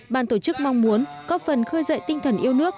ban tổ chức mong muốn góp phần khơi dậy tinh thần yêu nước